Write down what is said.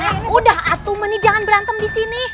sudah atum ini jangan berantem di sini